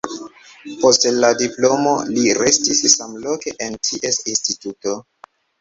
Post la diplomo li restis samloke en ties instituto.